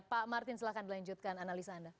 pak martin silahkan dilanjutkan analisa anda